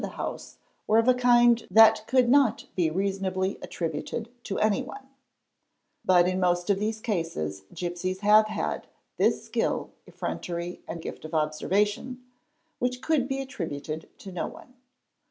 the house were of a kind "'that could not be reasonably attributed to anyone." But ir METHODS OF STEALING 361 most of these cases gipsies have had "this skill, effrontery, and gift of observation' which could be attributed to no one.